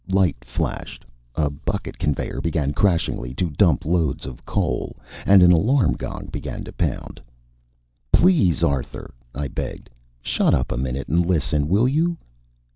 Light flashed; a bucket conveyor began crashingly to dump loads of coal; and an alarm gong began to pound. "Please, Arthur," I begged. "Shut up a minute and listen, will you?"